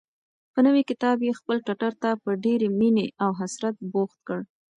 یو نوی کتاب یې خپل ټټر ته په ډېرې مینې او حسرت جوخت کړ.